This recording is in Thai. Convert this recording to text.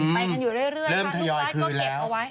ไปกันอยู่เรื่อยแล้วลูกวัดก็เก็บเอาไว้